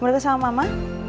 boleh kesama mama